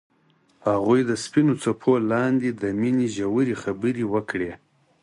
هغوی د سپین څپو لاندې د مینې ژورې خبرې وکړې.